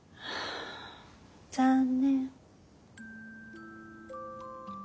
残念。